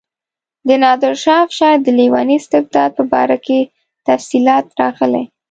د نادرشاه افشار د لیوني استبداد په باره کې تفصیلات راغلي.